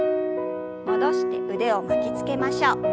戻して腕を巻きつけましょう。